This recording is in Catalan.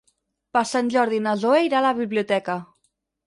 Per Sant Jordi na Zoè irà a la biblioteca.